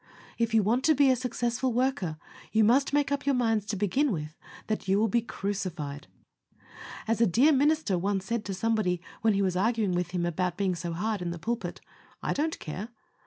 If you want to be a successful worker, you must make up your minds to begin with, that you will be CRUCIFIED. As a dear minister once said to somebody, when he was arguing with him about being so hard in the pulpit, "I don't care."